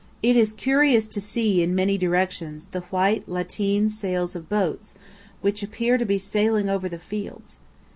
It is curious to see in many directions the white lateen sails of boats which appear to be sailing over the fields.